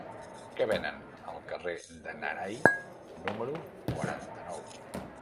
Què venen al carrer de n'Arai número quaranta-nou?